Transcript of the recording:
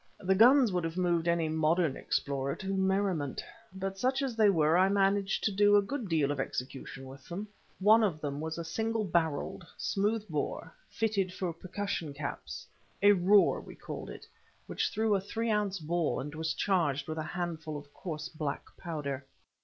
The guns would have moved any modern explorer to merriment; but such as they were I managed to do a good deal of execution with them. One of them was a single barrelled, smooth bore, fitted for percussion caps—a roer we called it—which threw a three ounce ball, and was charged with a handful of coarse black powder.